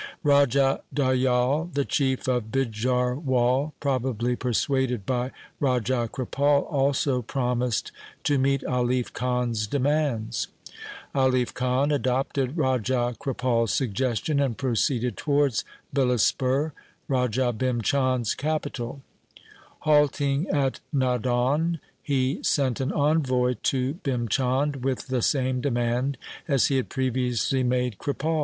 Raja Dayal, the chief of Bijharwal, probably persuaded by Raja Kripal, also promised to meet Alif Khan's demands. Alif Khan adopted Raja Kripal's suggestion and proceeded towards Bilaspur, Raja Bhim Chand's capital. Halting at Nadaun he sent an envoy to Bhim Chand with the same demand as he had previously made Kripal.